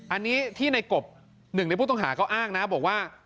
อันนี้ที่ในกบ๑ในผู้ต้องหาก็อ้างนะบอกว่า